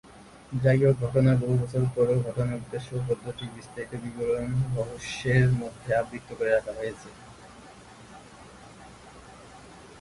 যাইহোক, ঘটনার বহু বছর পরেও, ঘটনার উদ্দেশ্য ও পদ্ধতির বিস্তারিত বিবরণ রহস্যের মধ্যে আবৃত করে রাখা হয়েছে।